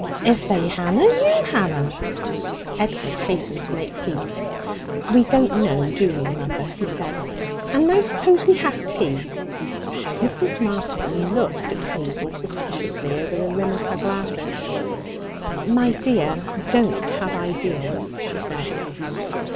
If they hanna; you hanna!' Edward hastened to make peace. 'We don't know, do we, mother?' he said. 'And now suppose we have tea?' Mrs. Marston looked at Hazel suspiciously over the rim of her glasses. 'My dear, don't have ideas,' she said.